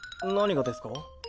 何がですか？